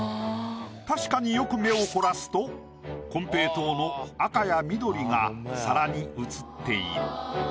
確かによく目を凝らすと金平糖の赤や緑が皿に映っている。